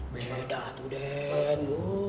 beda tuh den